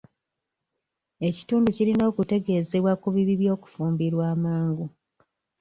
Ekitundu kirina okutegeezebwa ku bibi by'okufimbirwa amangu.